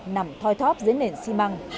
nằm thoi thóp dưới nền xi măng